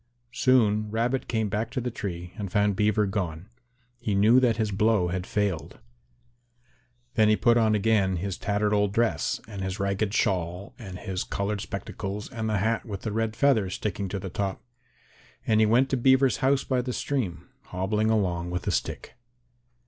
Soon Rabbit came back to the tree and found Beaver gone. He knew that his blow had failed. Then he put on again his tattered old dress and his ragged shawl and his coloured spectacles and the hat with the red feather sticking to the top, and he went to Beaver's house by the stream, hobbling along with a stick.